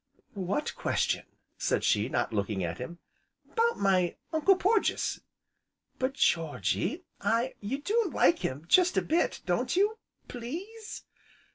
"What question?" said she, not looking at him. "'Bout my Uncle Porges." "But Georgy I " "You do like him jest a bit don't you? please?"